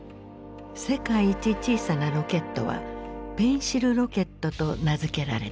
世界一小さなロケットはペンシルロケットと名付けられた。